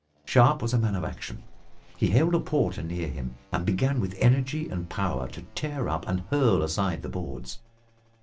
Sharp was a man of action. He hailed a porter near him and began with energy and power to tear up and hurl aside the boards.